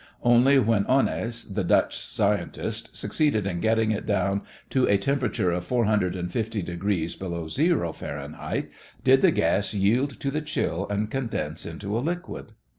Only when Onnes, the Dutch scientist, succeeded in getting it down to a temperature of 450 degrees below zero, Fahrenheit, did the gas yield to the chill and condense into a liquid.